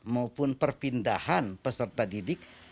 maupun perpindahan peserta didik